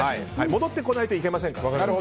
戻ってこないといけません。